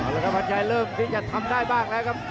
แล้วครับวันชัยเริ่มที่จะทำได้บ้างแล้วครับ